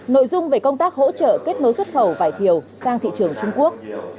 nội dung về công tác hỗ trợ kết nối xuất khẩu vải thiều sang thị trường trung quốc